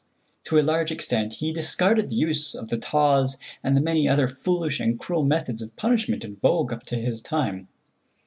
To a large extent he discarded the use of the taws and the many other foolish and cruel methods of punishment in vogue up to his time.